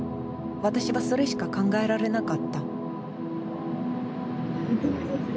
私はそれしか考えられなかった。